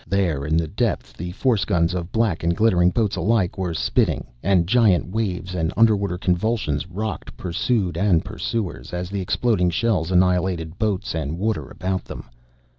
There in the depths the force guns of black and glittering boats alike were spitting, and giant waves and underwater convulsions rocked pursued and pursuers as the exploding shells annihilated boats and water about them.